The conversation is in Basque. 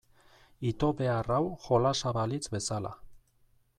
Ito behar hau jolasa balitz bezala.